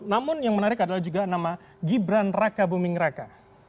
namun yang menarik adalah juga nama gibran raka buming raka